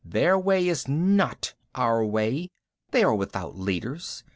Their way is not our way. They are without leaders.